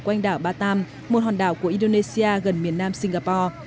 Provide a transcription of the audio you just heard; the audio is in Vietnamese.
quanh đảo batam một hòn đảo của indonesia gần miền nam singapore